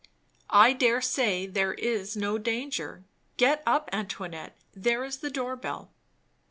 "I dare say there is no danger. Get up, Antoinette! there is the door bell."